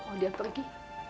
kalau dia pergi